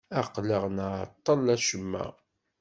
Aql-aɣ nɛeṭṭel acemma.